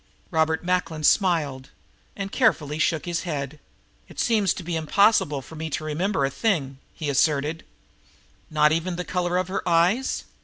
Robert Macklin smiled and carefully shook his head. "It seems to be impossible for me to remember a thing," he asserted. "Not even the color of her eyes?"